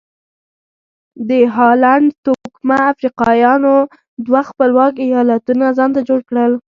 د هالنډ توکمه افریقایانو دوه خپلواک ایالتونه ځانته جوړ کړل.